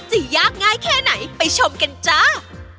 จะยากง่ายแค่ไหนไปชมกันจ้า